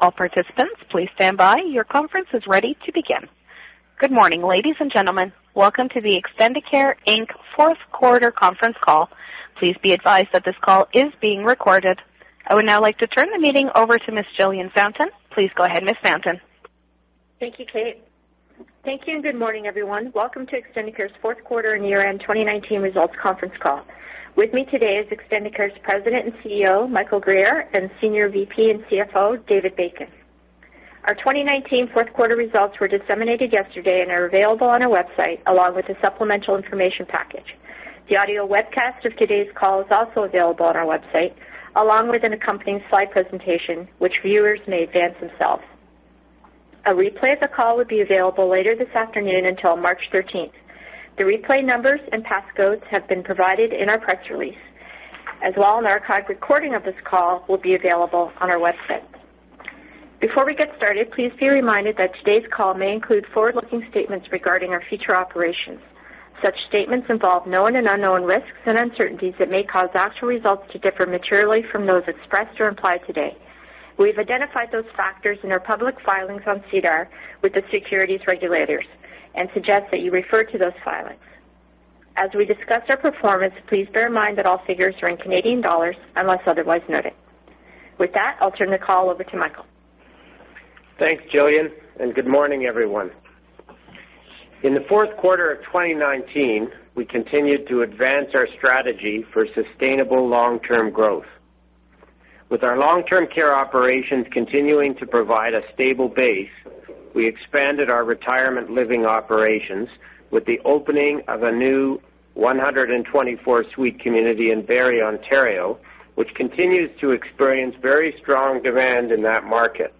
All participants, please stand by. Your conference is ready to begin. Good morning, ladies and gentlemen. Welcome to the Extendicare Inc. Fourth Quarter conference call. Please be advised that this call is being recorded. I would now like to turn the meeting over to Ms. Jillian Fountain. Please go ahead, Ms. Fountain. Thank you, Kate. Thank you and good morning, everyone. Welcome to Extendicare's Fourth Quarter and Year-End 2019 Results conference call. With me today is Extendicare's President and CEO, Michael Guerriere, and Senior VP and CFO, David Bacon. Our 2019 fourth quarter results were disseminated yesterday and are available on our website, along with the supplemental information package. The audio webcast of today's call is also available on our website, along with an accompanying slide presentation, which viewers may get themselves. A replay of the call will be available later this afternoon until March 13th. The replay numbers and passcodes have been provided in our press release, as well an archived recording of this call will be available on our website. Before we get started, please be reminded that today's call may include forward-looking statements regarding our future operations. Such statements involve known and unknown risks and uncertainties that may cause actual results to differ materially from those expressed or implied today. We've identified those factors in our public filings on SEDAR with the securities regulators and suggest that you refer to those filings. As we discuss our performance, please bear in mind that all figures are in Canadian dollars, unless otherwise noted. With that, I'll turn the call over to Michael. Thanks, Jillian, and good morning, everyone. In the fourth quarter of 2019, we continued to advance our strategy for sustainable long-term growth. With our long-term care operations continuing to provide a stable base, we expanded our retirement living operations with the opening of a new 124-suite community in Barrie, Ontario, which continues to experience very strong demand in that market.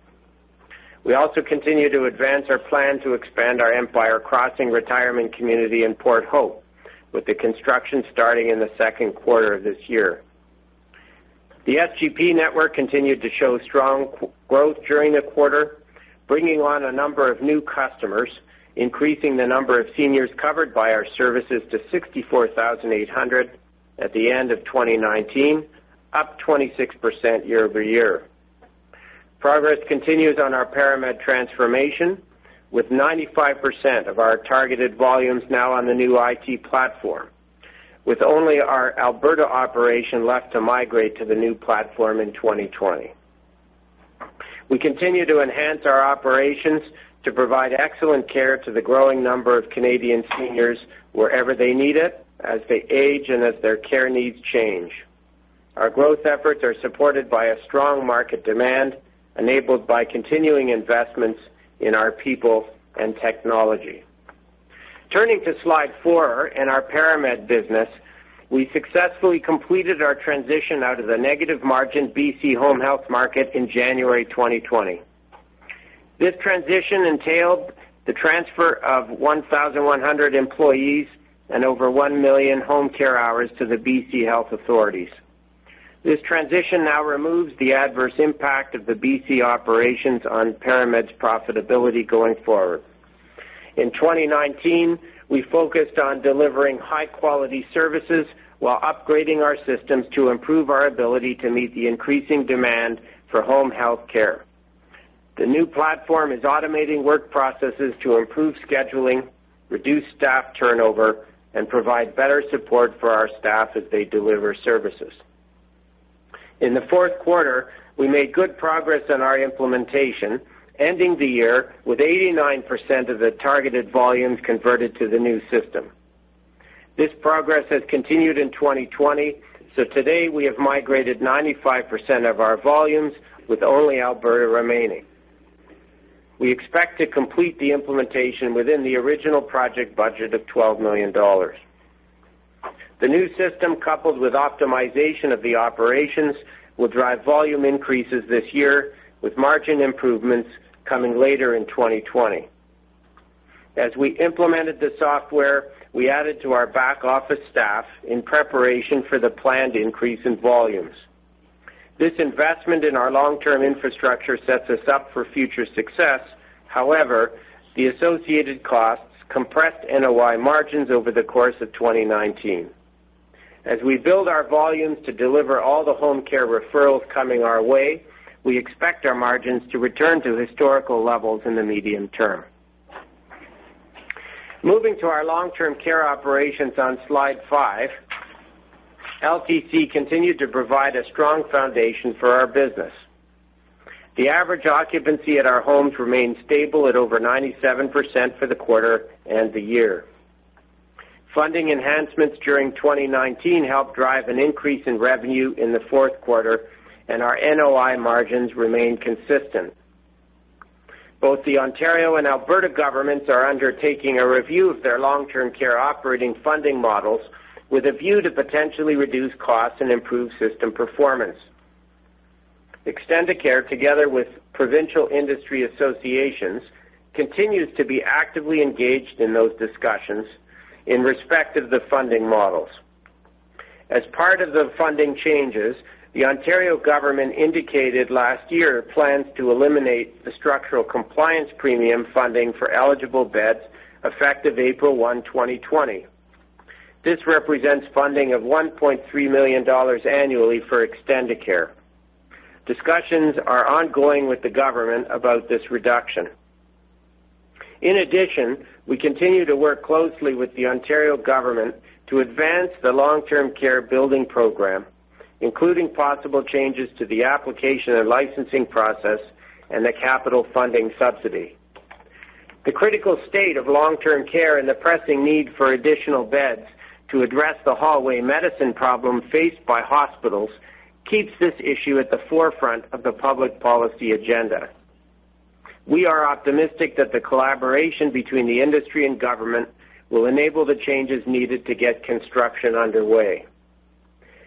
We also continue to advance our plan to expand our Empire Crossing retirement community in Port Hope, with the construction starting in the second quarter of this year. The SGP network continued to show strong growth during the quarter, bringing on a number of new customers, increasing the number of seniors covered by our services to 64,800 at the end of 2019, up 26% year-over-year. Progress continues on our ParaMed transformation, with 95% of our targeted volumes now on the new IT platform, with only our Alberta operation left to migrate to the new platform in 2020. We continue to enhance our operations to provide excellent care to the growing number of Canadian seniors wherever they need it, as they age and as their care needs change. Our growth efforts are supported by a strong market demand, enabled by continuing investments in our people and technology. Turning to slide four and our ParaMed business, we successfully completed our transition out of the negative margin BC home health market in January 2020. This transition entailed the transfer of 1,100 employees and over 1 million home care hours to the BC Health Authorities. This transition now removes the adverse impact of the BC operations on ParaMed's profitability going forward. In 2019, we focused on delivering high-quality services while upgrading our systems to improve our ability to meet the increasing demand for home health care. The new platform is automating work processes to improve scheduling, reduce staff turnover, and provide better support for our staff as they deliver services. In the fourth quarter, we made good progress on our implementation, ending the year with 89% of the targeted volumes converted to the new system. This progress has continued in 2020, so today we have migrated 95% of our volumes with only Alberta remaining. We expect to complete the implementation within the original project budget of 12 million dollars. The new system, coupled with optimization of the operations, will drive volume increases this year, with margin improvements coming later in 2020. As we implemented the software, we added to our back-office staff in preparation for the planned increase in volumes. This investment in our long-term infrastructure sets us up for future success. However, the associated costs compressed NOI margins over the course of 2019. As we build our volumes to deliver all the home care referrals coming our way, we expect our margins to return to historical levels in the medium term. Moving to our long-term care operations on slide five, LTC continued to provide a strong foundation for our business. The average occupancy at our homes remained stable at over 97% for the quarter and the year. Funding enhancements during 2019 helped drive an increase in revenue in the fourth quarter, and our NOI margins remained consistent. Both the Ontario and Alberta governments are undertaking a review of their long-term care operating funding models with a view to potentially reduce costs and improve system performance. Extendicare, together with provincial industry associations, continues to be actively engaged in those discussions in respect of the funding models. As part of the funding changes, the Ontario government indicated last year plans to eliminate the structural compliance premium funding for eligible beds effective April 1, 2020. This represents funding of 1.3 million dollars annually for Extendicare. Discussions are ongoing with the government about this reduction. In addition, we continue to work closely with the Ontario government to advance the Long-Term Care Building Program, including possible changes to the application and licensing process and the capital funding subsidy. The critical state of long-term care and the pressing need for additional beds to address the hallway medicine problem faced by hospitals keeps this issue at the forefront of the public policy agenda. We are optimistic that the collaboration between the industry and government will enable the changes needed to get construction underway.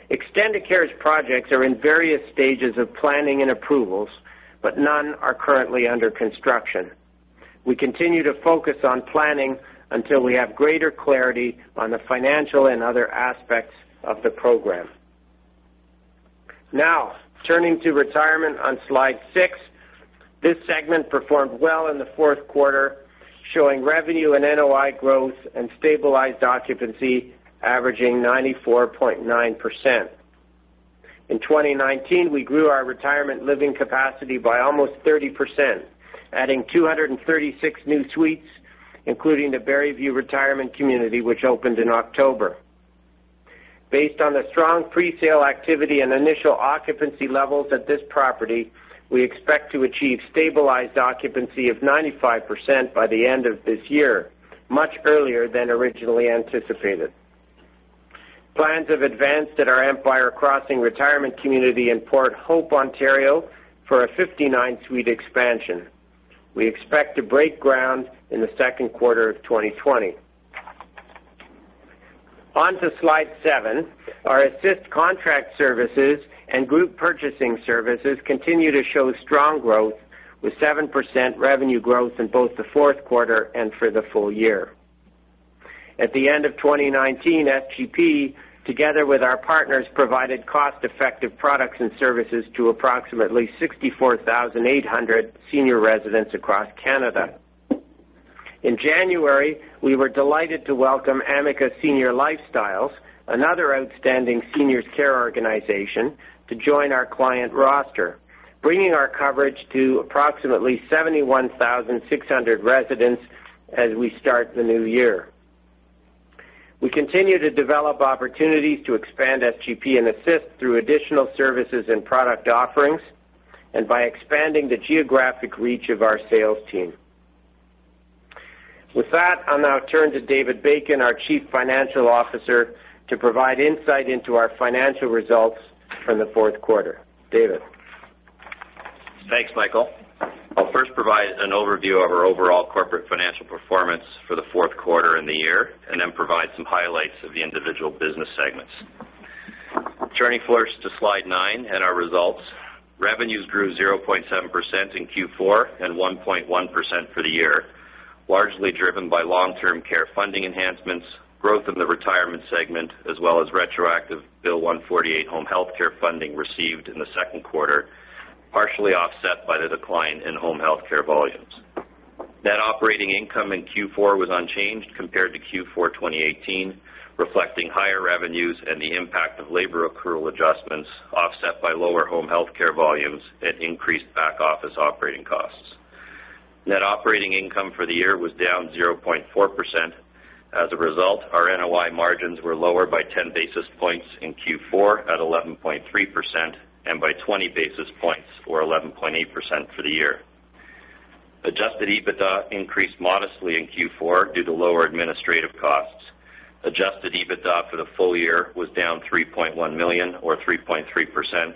Extendicare's projects are in various stages of planning and approvals, but none are currently under construction. We continue to focus on planning until we have greater clarity on the financial and other aspects of the program. Turning to retirement on slide six. This segment performed well in the fourth quarter, showing revenue and NOI growth and stabilized occupancy averaging 94.9%. In 2019, we grew our retirement living capacity by almost 30%, adding 236 new suites, including the Barrieview Retirement Community, which opened in October. Based on the strong presale activity and initial occupancy levels at this property, we expect to achieve stabilized occupancy of 95% by the end of this year, much earlier than originally anticipated. Plans have advanced at our Empire Crossing Retirement Community in Port Hope, Ontario, for a 59-suite expansion. We expect to break ground in the second quarter of 2020. To slide seven. Our Assist Contract Services and Group Purchasing Services continue to show strong growth, with 7% revenue growth in both the fourth quarter and for the full year. At the end of 2019, SGP, together with our partners, provided cost-effective products and services to approximately 64,800 senior residents across Canada. In January, we were delighted to welcome Amica Senior Lifestyles, another outstanding seniors care organization, to join our client roster, bringing our coverage to approximately 71,600 residents as we start the new year. We continue to develop opportunities to expand SGP and Assist through additional services and product offerings and by expanding the geographic reach of our sales team. With that, I'll now turn to David Bacon, our Chief Financial Officer, to provide insight into our financial results for the fourth quarter. David? Thanks, Michael. I'll first provide an overview of our overall corporate financial performance for the fourth quarter and the year, and then provide some highlights of the individual business segments. Turning first to slide nine and our results. Revenues grew 0.7% in Q4 and 1.1% for the year, largely driven by long-term care funding enhancements, growth in the retirement segment, as well as retroactive Bill 148 home health care funding received in the second quarter, partially offset by the decline in home health care volumes. Net operating income in Q4 was unchanged compared to Q4 2018, reflecting higher revenues and the impact of labor accrual adjustments, offset by lower home health care volumes and increased back-office operating costs. Net operating income for the year was down 0.4%. As a result, our NOI margins were lower by 10 basis points in Q4 at 11.3% and by 20 basis points for 11.8% for the year. Adjusted EBITDA increased modestly in Q4 due to lower administrative costs. Adjusted EBITDA for the full year was down 3.1 million or 3.3%,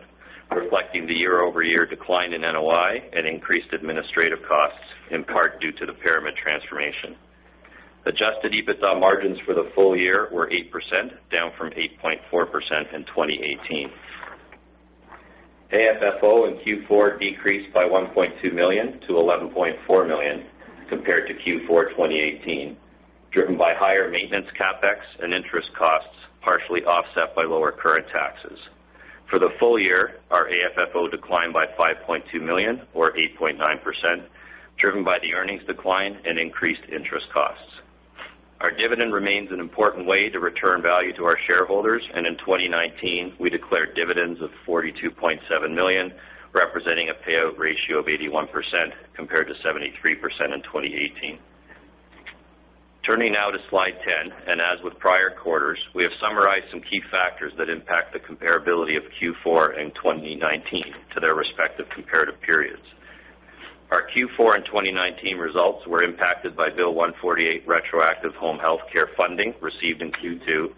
reflecting the year-over-year decline in NOI and increased administrative costs, in part due to the ParaMed transformation. Adjusted EBITDA margins for the full year were 8%, down from 8.4% in 2018. AFFO in Q4 decreased by 1.2 million to 11.4 million compared to Q4 2018, driven by higher maintenance CapEx and interest costs, partially offset by lower current taxes. For the full year, our AFFO declined by 5.2 million or 8.9%, driven by the earnings decline and increased interest costs. Our dividend remains an important way to return value to our shareholders. In 2019, we declared dividends of 42.7 million, representing a payout ratio of 81% compared to 73% in 2018. Turning now to slide 10. As with prior quarters, we have summarized some key factors that impact the comparability of Q4 and 2019 to their respective comparative periods. Our Q4 and 2019 results were impacted by Bill 148 retroactive home health care funding received in Q2,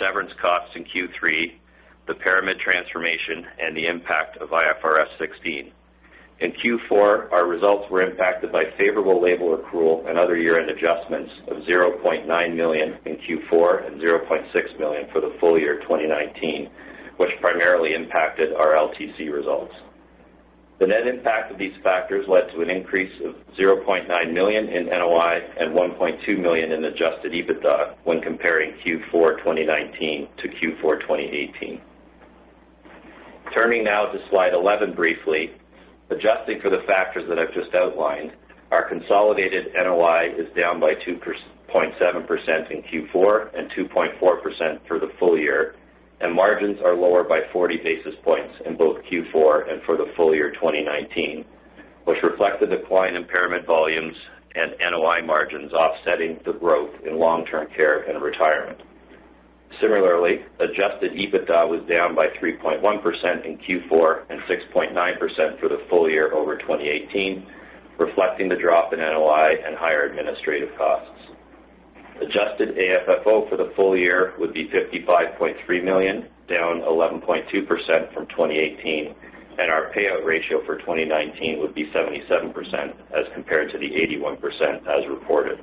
severance costs in Q3, the ParaMed transformation, and the impact of IFRS 16. In Q4, our results were impacted by favorable labor accrual and other year-end adjustments of 0.9 million in Q4 and 0.6 million for the full year 2019, which primarily impacted our LTC results. The net impact of these factors led to an increase of 0.9 million in NOI and 1.2 million in adjusted EBITDA when comparing Q4 2019 to Q4 2018. Turning now to slide 11 briefly. Adjusting for the factors that I've just outlined, our consolidated NOI is down by 2.7% in Q4 and 2.4% for the full year, and margins are lower by 40 basis points in both Q4 and for the full year 2019, which reflect the decline in ParaMed volumes and NOI margins offsetting the growth in long-term care and retirement. Similarly, adjusted EBITDA was down by 3.1% in Q4 and 6.9% for the full year over 2018, reflecting the drop in NOI and higher administrative costs. Adjusted AFFO for the full year would be 55.3 million, down 11.2% from 2018, and our payout ratio for 2019 would be 77% as compared to the 81% as reported.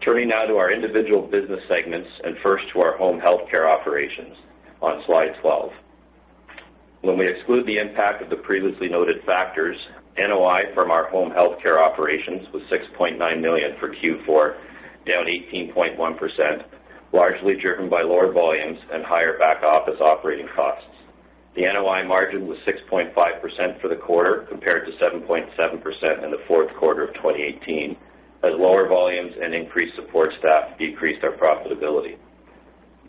Turning now to our individual business segments and first to our home health care operations on slide 12. When we exclude the impact of the previously noted factors, NOI from our home health care operations was 6.9 million for Q4, down 18.1%, largely driven by lower volumes and higher back-office operating costs. The NOI margin was 6.5% for the quarter, compared to 7.7% in the fourth quarter of 2018, as lower volumes and increased support staff decreased our profitability.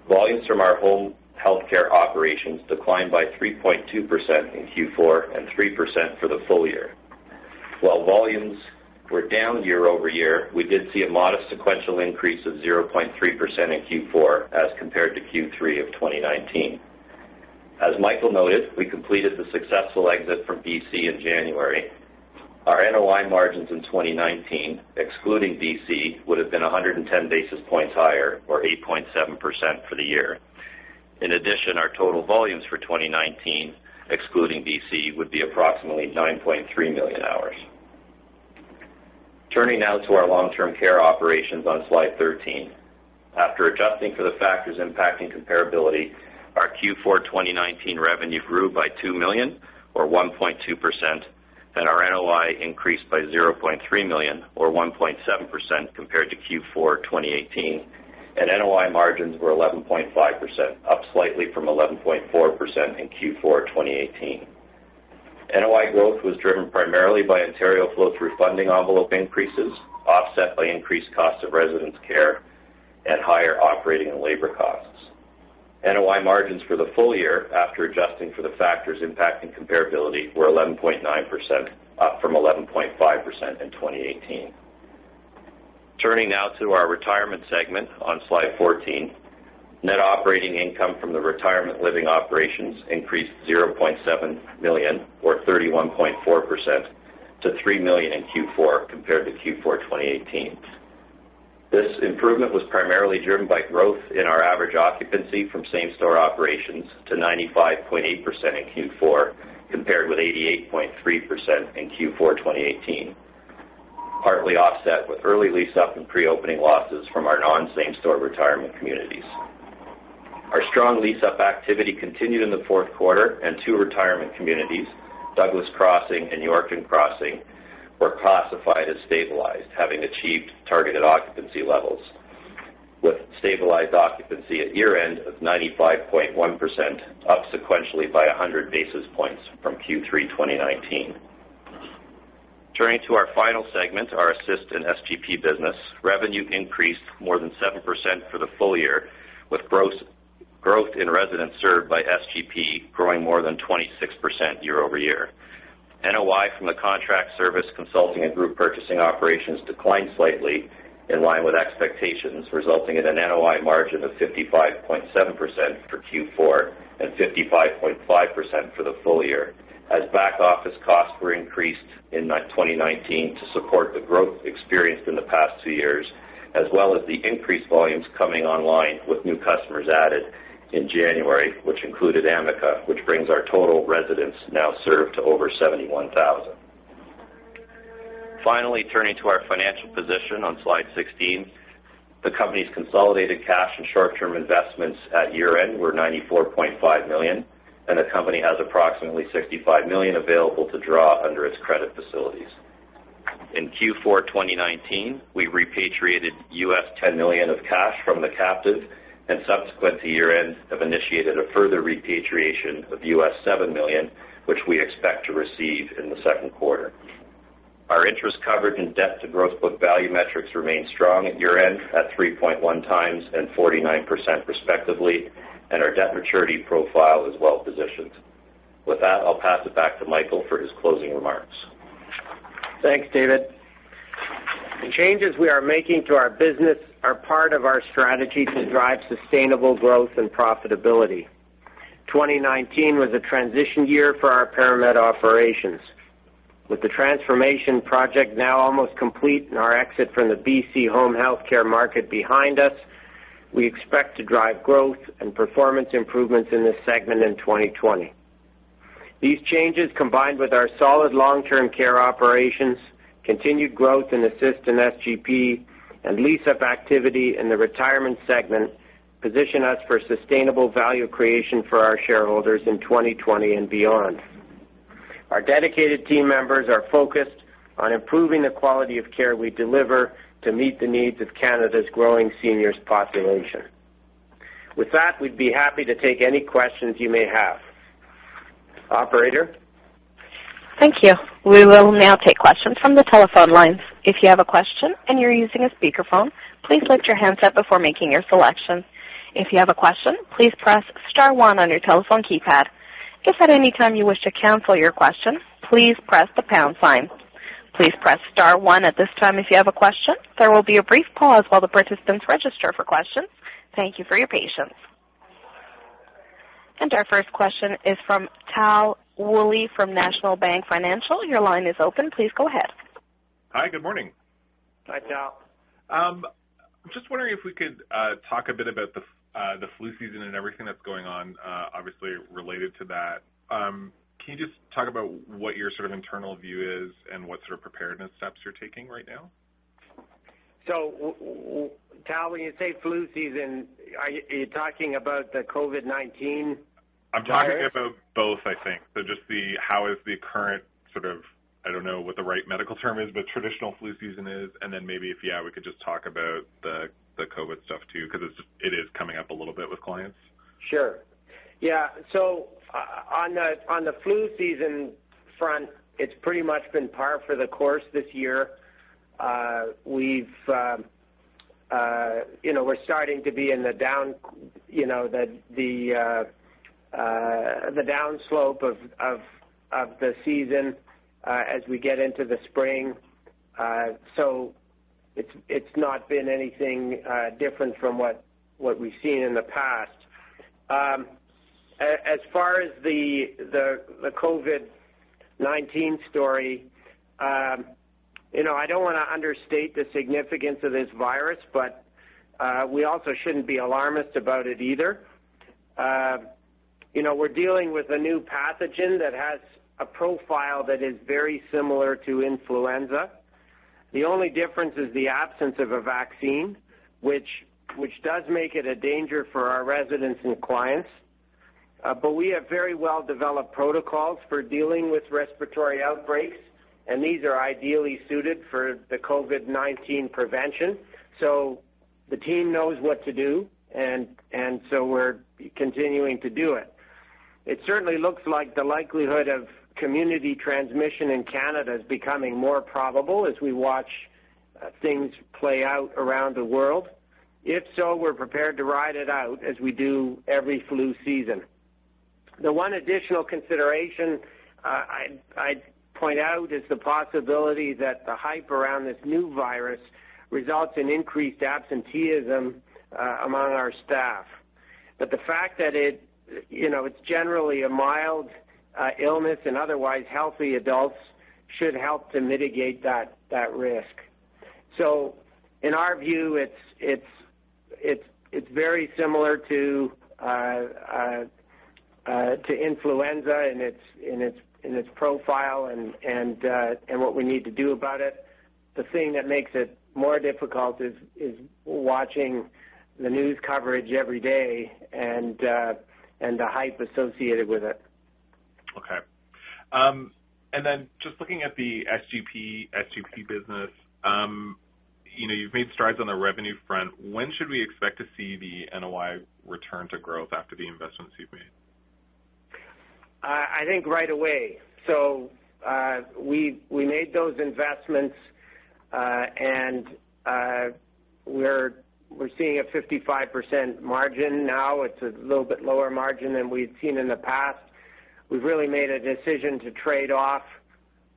Volumes from our home health care operations declined by 3.2% in Q4 and 3% for the full year. Volumes were down year-over-year, we did see a modest sequential increase of 0.3% in Q4 as compared to Q3 of 2019. As Michael noted, we completed the successful exit from BC in January. Our NOI margins in 2019, excluding BC, would have been 110 basis points higher, or 8.7% for the year. In addition, our total volumes for 2019, excluding BC, would be approximately 9.3 million hours. Turning now to our long-term care operations on slide 13. After adjusting for the factors impacting comparability, our Q4 2019 revenue grew by 2 million or 1.2%, and our NOI increased by 0.3 million or 1.7% compared to Q4 2018, and NOI margins were 11.5%, up slightly from 11.4% in Q4 2018. NOI growth was driven primarily by Ontario flow-through funding envelope increases, offset by increased cost of residence care and higher operating and labor costs. NOI margins for the full year, after adjusting for the factors impacting comparability, were 11.9%, up from 11.5% in 2018. Turning now to our retirement segment on slide 14. Net operating income from the retirement living operations increased 0.7 million or 31.4% to 3 million in Q4 compared to Q4 2018. This improvement was primarily driven by growth in our average occupancy from same-store operations to 95.8% in Q4, compared with 88.3% in Q4 2018, partly offset with early lease-up and pre-opening losses from our non-same store retirement communities. Our strong lease-up activity continued in the fourth quarter and two retirement communities, Douglas Crossing and Yorkton Crossing, were classified as stabilized, having achieved targeted occupancy levels with stabilized occupancy at year-end of 95.1%, up sequentially by 100 basis points from Q3 2019. Turning to our final segment, our Assist and SGP business, revenue increased more than 7% for the full year, with growth in residents served by SGP growing more than 26% year-over-year. NOI from the contract service consulting and group purchasing operations declined slightly in line with expectations, resulting in an NOI margin of 55.7% for Q4 and 55.5% for the full year, as back-office costs were increased in 2019 to support the growth experienced in the past two years, as well as the increased volumes coming online with new customers added in January, which included Amica, which brings our total residents now served to over 71,000. Finally, turning to our financial position on slide 16. The company's consolidated cash and short-term investments at year-end were 94.5 million, and the company has approximately 65 million available to draw under its credit facilities. In Q4 2019, we repatriated $10 million of cash from the captive and subsequent to year-end have initiated a further repatriation of $7 million, which we expect to receive in the second quarter. Our interest coverage and debt to growth book value metrics remain strong at year-end at 3.1x and 49% respectively, and our debt maturity profile is well positioned. With that, I'll pass it back to Michael for his closing remarks. Thanks, David. The changes we are making to our business are part of our strategy to drive sustainable growth and profitability. 2019 was a transition year for our ParaMed operations. With the transformation project now almost complete and our exit from the BC home health care market behind us, we expect to drive growth and performance improvements in this segment in 2020. These changes, combined with our solid long-term care operations, continued growth in Assist in SGP, and lease-up activity in the retirement segment, position us for sustainable value creation for our shareholders in 2020 and beyond. Our dedicated team members are focused on improving the quality of care we deliver to meet the needs of Canada's growing seniors population. With that, we'd be happy to take any questions you may have. Operator? Thank you. We will now take questions from the telephone lines. If you have a question and you're using a speakerphone, please lift your handset before making your selection. If you have a question, please press star one on your telephone keypad. If at any time you wish to cancel your question, please press the pound sign. Please press star one at this time if you have a question. There will be a brief pause while the participants register for questions. Thank you for your patience. Our first question is from Tal Woolley from National Bank Financial. Your line is open. Please go ahead. Hi. Good morning. Hi, Tal. Just wondering if we could talk a bit about the flu season and everything that's going on, obviously, related to that. Can you just talk about what your internal view is and what sort of preparedness steps you're taking right now? Tal, when you say flu season, are you talking about the COVID-19 virus? I'm talking about both, I think. Just how is the current, I don't know what the right medical term is, but traditional flu season is, and then maybe if, yeah, we could just talk about the COVID stuff too, because it is coming up a little bit with clients. Sure. Yeah. On the flu season front, it's pretty much been par for the course this year. We're starting to be in the down slope of the season, as we get into the spring. It's not been anything different from what we've seen in the past. As far as the COVID-19 story, I don't want to understate the significance of this virus, but we also shouldn't be alarmist about it either. We're dealing with a new pathogen that has a profile that is very similar to influenza. The only difference is the absence of a vaccine, which does make it a danger for our residents and clients. We have very well-developed protocols for dealing with respiratory outbreaks, and these are ideally suited for the COVID-19 prevention. The team knows what to do, and so we're continuing to do it. It certainly looks like the likelihood of community transmission in Canada is becoming more probable as we watch things play out around the world. We're prepared to ride it out as we do every flu season. The one additional consideration I'd point out is the possibility that the hype around this new virus results in increased absenteeism among our staff. The fact that it's generally a mild illness in otherwise healthy adults should help to mitigate that risk. In our view, it's very similar to influenza in its profile and what we need to do about it. The thing that makes it more difficult is watching the news coverage every day and the hype associated with it. Okay. Just looking at the SGP business. You've made strides on the revenue front. When should we expect to see the NOI return to growth after the investments you've made? I think right away. We made those investments, and we're seeing a 55% margin now. It's a little bit lower margin than we've seen in the past. We've really made a decision to trade off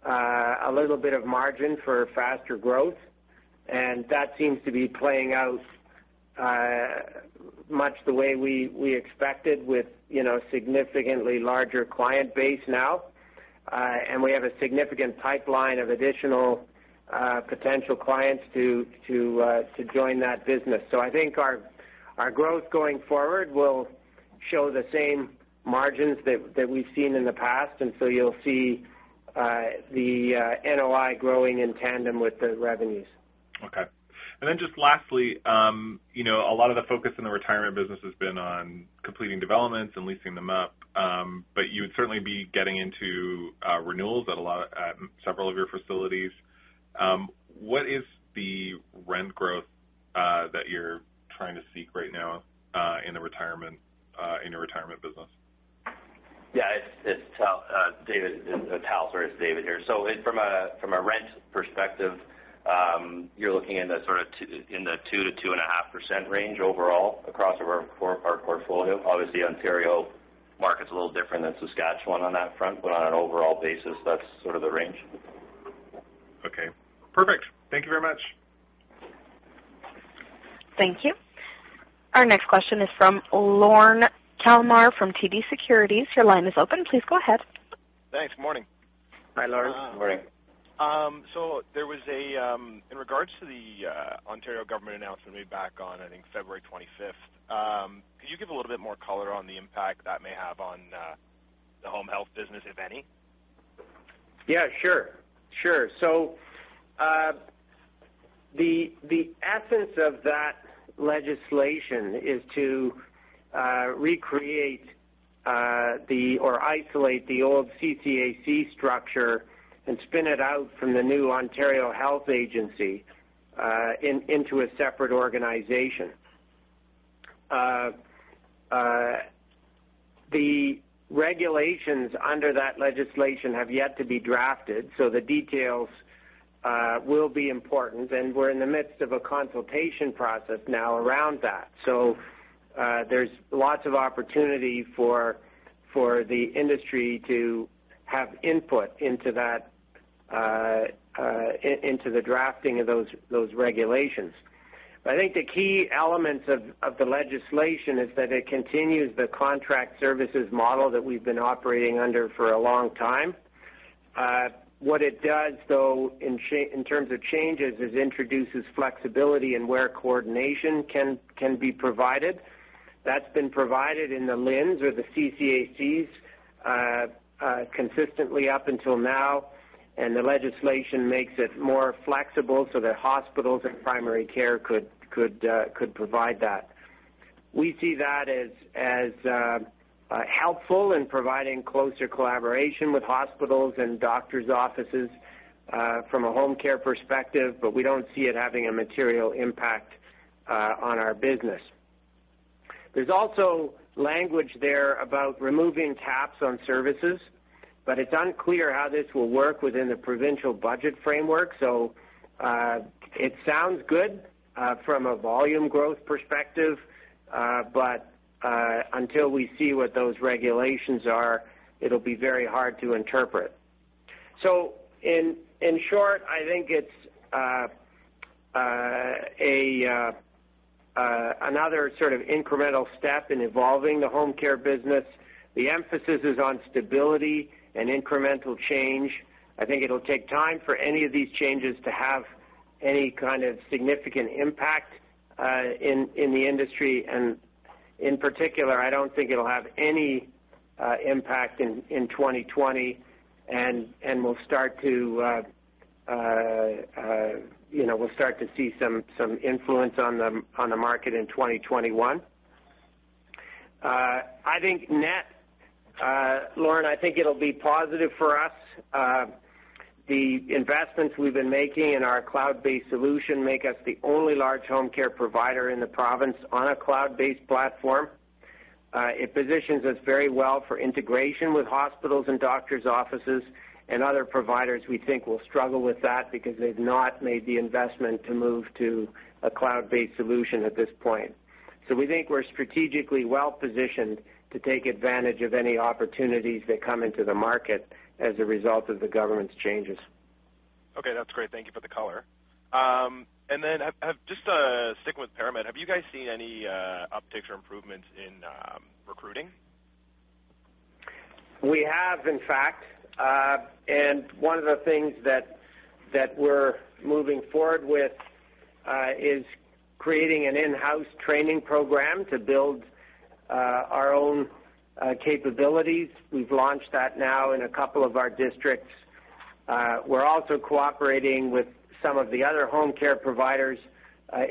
a little bit of margin for faster growth, and that seems to be playing out much the way we expected with significantly larger client base now. We have a significant pipeline of additional potential clients to join that business. I think our growth going forward will show the same margins that we've seen in the past, and so you'll see the NOI growing in tandem with the revenues. Okay. Just lastly, a lot of the focus in the retirement business has been on completing developments and leasing them up. You would certainly be getting into renewals at several of your facilities. What is the rent growth that you're trying to seek right now in your retirement business? Yeah. It's Tal. David, it's Tal. Sorry, it's David here. From a rent perspective, you're looking in the sort of 2%-2.5% range overall across our portfolio. Obviously, Ontario market's a little different than Saskatchewan on that front, but on an overall basis, that's sort of the range. Okay, perfect. Thank you very much. Thank you. Our next question is from Lorne Kalmar from TD Securities. Your line is open. Please go ahead. Thanks. Morning. Hi, Lorne. Good morning. There was a, in regards to the Ontario government announcement way back on, I think, February 25th, could you give a little bit more color on the impact that may have on the home health business, if any? Yeah, sure. The essence of that legislation is to recreate or isolate the old CCAC structure and spin it out from the new Ontario Health into a separate organization. The regulations under that legislation have yet to be drafted. The details will be important, and we're in the midst of a consultation process now around that. There's lots of opportunity for the industry to have input into the drafting of those regulations. I think the key elements of the legislation is that it continues the contract services model that we've been operating under for a long time. What it does, though, in terms of changes, is introduces flexibility in where coordination can be provided. That's been provided in the LHINs or the CCACs consistently up until now. The legislation makes it more flexible so that hospitals and primary care could provide that. We see that as helpful in providing closer collaboration with hospitals and doctors' offices from a home care perspective, but we don't see it having a material impact on our business. There's also language there about removing caps on services, but it's unclear how this will work within the provincial budget framework. It sounds good from a volume growth perspective, but until we see what those regulations are, it'll be very hard to interpret. In short, I think it's another sort of incremental step in evolving the home care business. The emphasis is on stability and incremental change. I think it'll take time for any of these changes to have any kind of significant impact in the industry, and in particular, I don't think it'll have any impact in 2020, and we'll start to see some influence on the market in 2021. Lorne, I think it'll be positive for us. The investments we've been making in our cloud-based solution make us the only large home care provider in the province on a cloud-based platform. It positions us very well for integration with hospitals and doctors' offices, and other providers we think will struggle with that because they've not made the investment to move to a cloud-based solution at this point. We think we're strategically well-positioned to take advantage of any opportunities that come into the market as a result of the government's changes. Okay. That's great. Thank you for the color. Just sticking with ParaMed, have you guys seen any upticks or improvements in recruiting? We have, in fact. One of the things that we're moving forward with is creating an in-house training program to build our own capabilities. We've launched that now in a couple of our districts. We're also cooperating with some of the other home care providers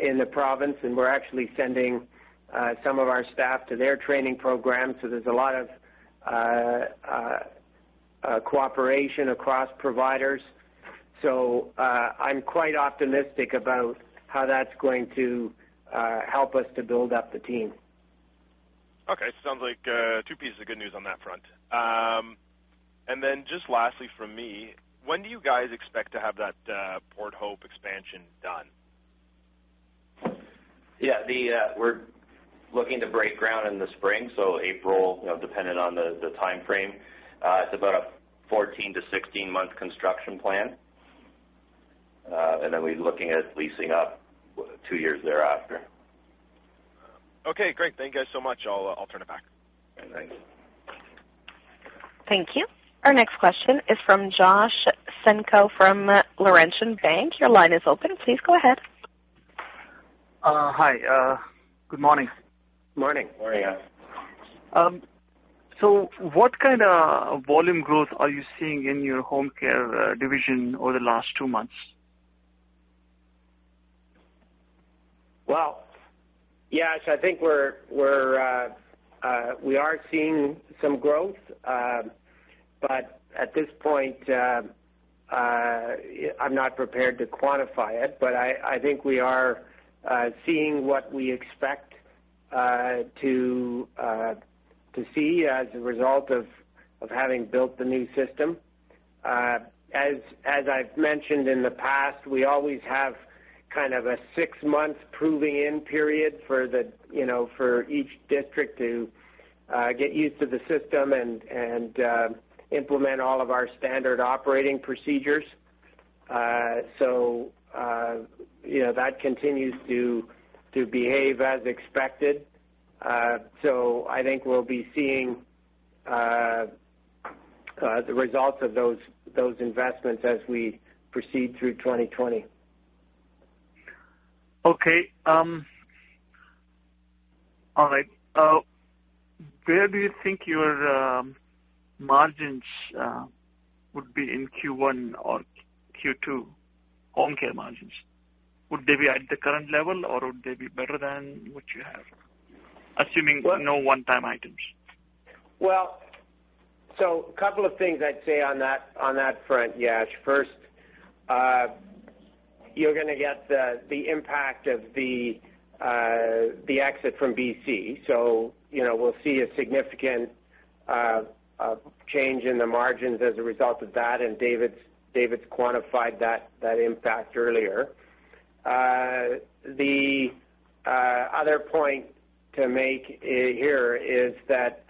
in the province, and we're actually sending some of our staff to their training program, so there's a lot of cooperation across providers. I'm quite optimistic about how that's going to help us to build up the team. Okay. Sounds like two pieces of good news on that front. Just lastly from me, when do you guys expect to have that Port Hope expansion done? Yeah. We're looking to break ground in the spring, so April, dependent on the timeframe. It's about a 14-month-16-month construction plan. We're looking at leasing up two years thereafter. Okay, great. Thank you guys so much. I'll turn it back. Thanks. Thanks. Thank you. Our next question is from Yash Sankpal from Laurentian Bank. Your line is open. Please go ahead. Hi. Good morning. Morning. Morning. What kind of volume growth are you seeing in your home care division over the last two months? Well, Yash, I think we are seeing some growth. At this point, I'm not prepared to quantify it. I think we are seeing what we expect to see as a result of having built the new system. As I've mentioned in the past, we always have kind of a six-month proving in period for each district to get used to the system and implement all of our standard operating procedures. That continues to behave as expected. I think we'll be seeing the results of those investments as we proceed through 2020. Okay. All right. Where do you think your margins would be in Q1 or Q2, home care margins? Would they be at the current level or would they be better than what you have, assuming no one-time items? Well, a couple of things I'd say on that front, Yash. First, you're going to get the impact of the exit from B.C. We'll see a significant change in the margins as a result of that, and David's quantified that impact earlier. The other point to make here is that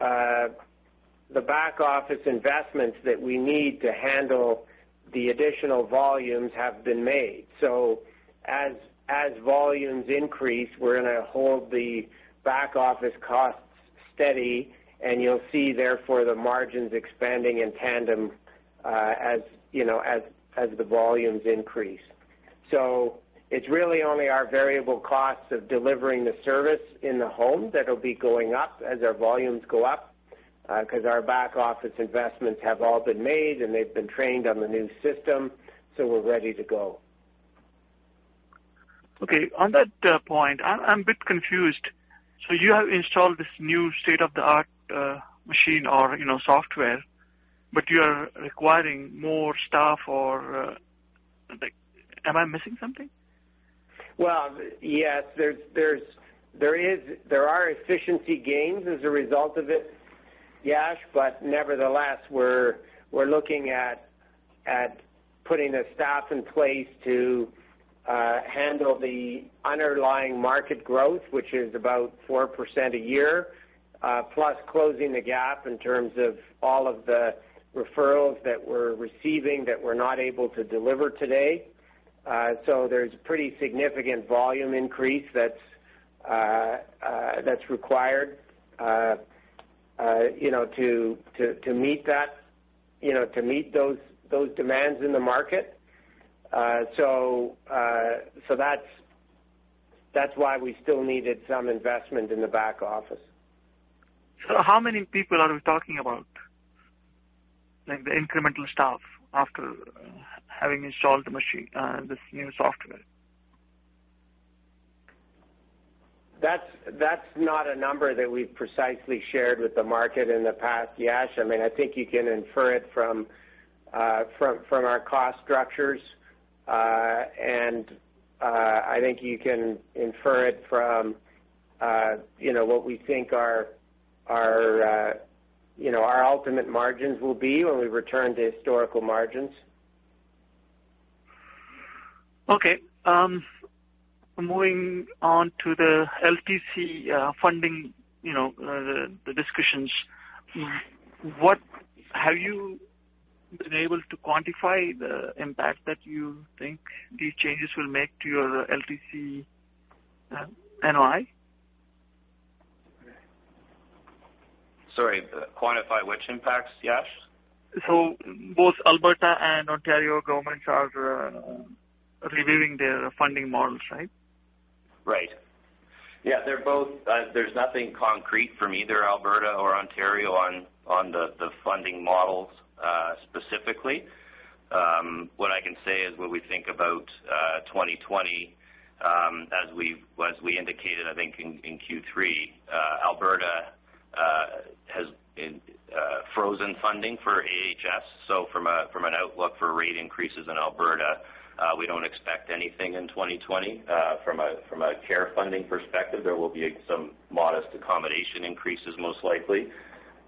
the back-office investments that we need to handle the additional volumes have been made. As volumes increase, we're going to hold the back-office costs steady, and you'll see, therefore, the margins expanding in tandem as the volumes increase. It's really only our variable costs of delivering the service in the home that'll be going up as our volumes go up, because our back-office investments have all been made, and they've been trained on the new system, so we're ready to go. Okay. On that point, I'm a bit confused. You have installed this new state-of-the-art machine or software, but you are requiring more staff or am I missing something? Well, yes. There are efficiency gains as a result of it, Yash. Nevertheless, we're looking at putting the staff in place to handle the underlying market growth, which is about 4% a year, plus closing the gap in terms of all of the referrals that we're receiving that we're not able to deliver today. There's a pretty significant volume increase that's required to meet those demands in the market. That's why we still needed some investment in the back office. How many people are we talking about, like the incremental staff after having installed this new software? That's not a number that we've precisely shared with the market in the past, Yash. I think you can infer it from our cost structures. I think you can infer it from what we think our ultimate margins will be when we return to historical margins. Okay. Moving on to the LTC funding, the discussions. Have you been able to quantify the impact that you think these changes will make to your LTC NOI? Sorry, quantify which impacts, Yash? Both Alberta and Ontario governments are reviewing their funding models, right? Right. Yeah, there's nothing concrete from either Alberta or Ontario on the funding models specifically. What I can say is what we think about 2020, as we indicated, I think in Q3, Alberta has frozen funding for AHS. From an outlook for rate increases in Alberta, we don't expect anything in 2020. From a care funding perspective, there will be some modest accommodation increases, most likely.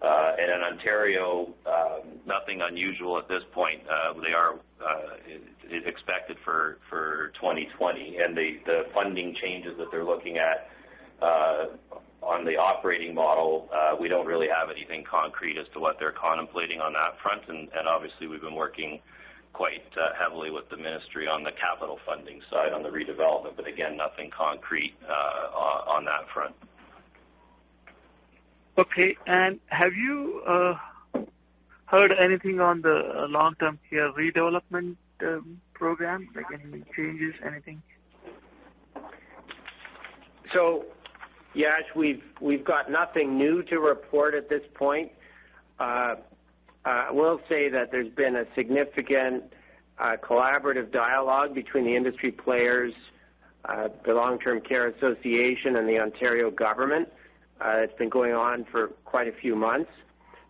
In Ontario, nothing unusual at this point. They are expected for 2020. The funding changes that they're looking at on the operating model, we don't really have anything concrete as to what they're contemplating on that front. Obviously, we've been working quite heavily with the ministry on the capital funding side, on the redevelopment. Again, nothing concrete on that front. Okay. Have you heard anything on the long-term care redevelopment program? Like any changes, anything? Yash, we've got nothing new to report at this point. I will say that there's been a significant collaborative dialogue between the industry players, the Long-Term Care Association, and the Ontario government. It's been going on for quite a few months.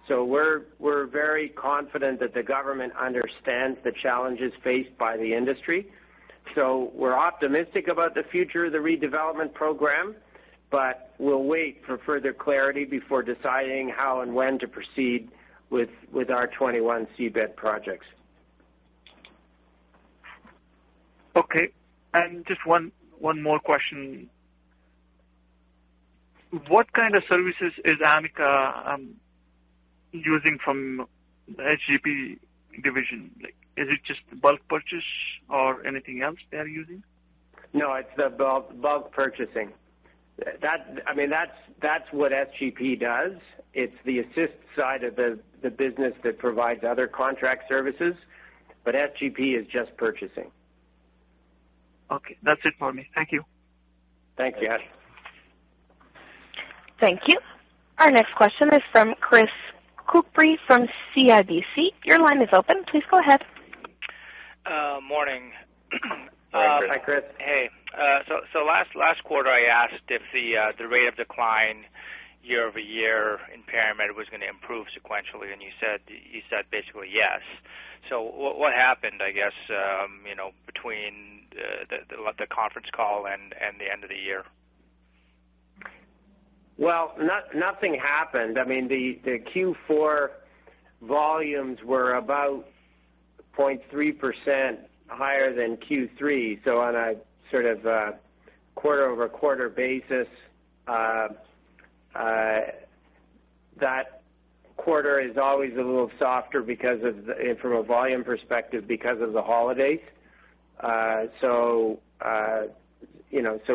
We're very confident that the government understands the challenges faced by the industry. We're optimistic about the future of the redevelopment program, but we'll wait for further clarity before deciding how and when to proceed with our 21 C-bed projects. Okay. Just one more question. What kind of services is Amica using from the SGP division? Is it just bulk purchase or anything else they are using? No, it's the bulk purchasing. That's what SGP does. It's the assist side of the business that provides other contract services, but SGP is just purchasing. Okay. That's it for me. Thank you. Thank you, Yash. Thank you. Our next question is from Chris Couprie from CIBC. Your line is open. Please go ahead. Morning. Hi, Chris. Hey. Last quarter, I asked if the rate of decline year-over-year impairment was going to improve sequentially, and you said basically yes. What happened, I guess, between the conference call and the end of the year? Well, nothing happened. The Q4 volumes were about 0.3% higher than Q3. On a sort of a quarter-over-quarter basis, that quarter is always a little softer from a volume perspective because of the holidays.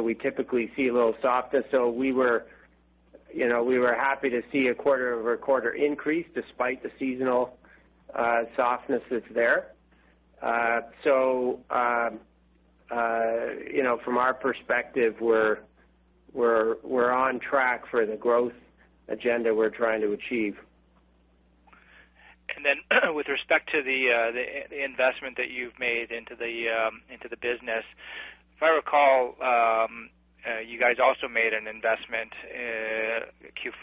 We typically see a little softness. We were happy to see a quarter-over-quarter increase despite the seasonal softness that's there. From our perspective, we're on track for the growth agenda we're trying to achieve. With respect to the investment that you've made into the business, if I recall, you guys also made an investment in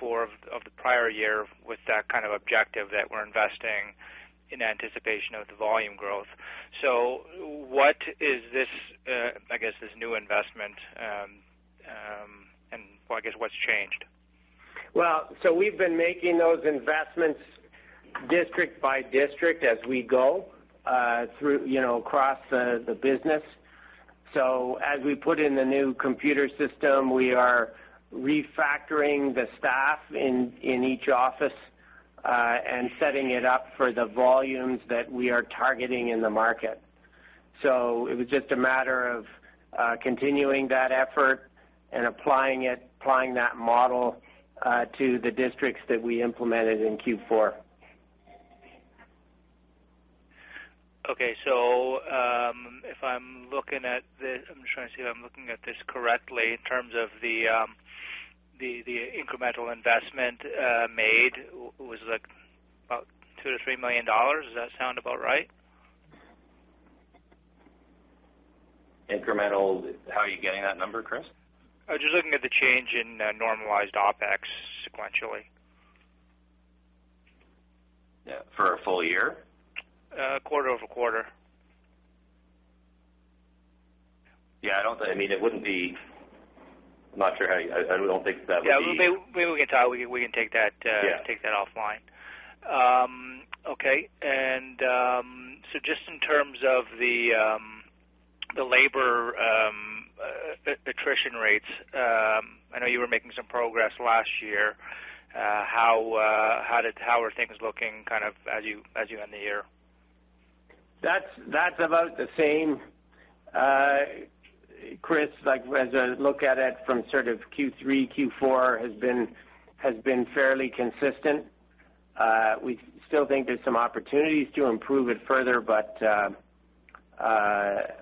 Q4 of the prior year with that kind of objective that we're investing in anticipation of the volume growth. What is this new investment, and I guess what's changed? Well, we've been making those investments district by district as we go across the business. As we put in the new computer system, we are refactoring the staff in each office and setting it up for the volumes that we are targeting in the market. It was just a matter of continuing that effort and applying that model to the districts that we implemented in Q4. Okay. I'm trying to see if I'm looking at this correctly in terms of the incremental investment made was about 2 million-3 million dollars. Does that sound about right? Incremental. How are you getting that number, Chris? I was just looking at the change in normalized OpEx sequentially. Yeah. For a full year? Quarter-over-quarter. Yeah. I don't think. Yeah. Maybe we can talk. Yeah We can take that offline. Okay. Just in terms of the labor attrition rates, I know you were making some progress last year. How are things looking kind of as you end the year? That's about the same, Chris, as I look at it from sort of Q3, Q4 has been fairly consistent. We still think there's some opportunities to improve it further, but Q4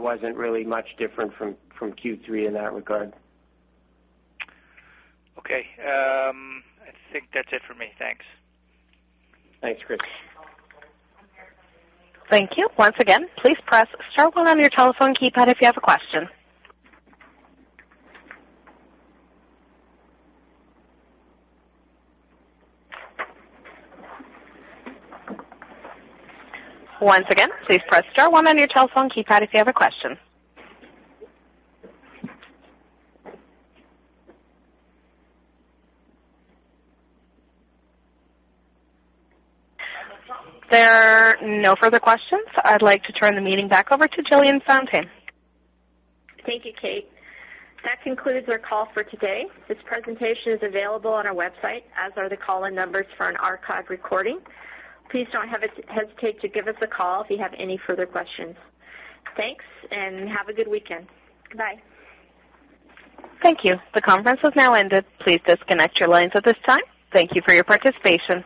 wasn't really much different from Q3 in that regard. Okay. I think that's it for me. Thanks. Thanks, Chris. Thank you. Once again, please press star one on your telephone keypad if you have a question. Once again, please press star one on your telephone keypad if you have a question. There are no further questions. I'd like to turn the meeting back over to Jillian Fountain. Thank you, Kate. That concludes our call for today. This presentation is available on our website, as are the call-in numbers for an archive recording. Please don't hesitate to give us a call if you have any further questions. Thanks. Have a good weekend. Goodbye. Thank you. The conference has now ended. Please disconnect your lines at this time. Thank you for your participation.